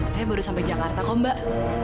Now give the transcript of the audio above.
saya baru sampai jakarta kok mbak